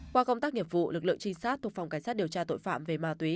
qua công tác nghiệp vụ lực lượng trinh sát thuộc phòng cảnh sát điều tra tội phạm về ma túy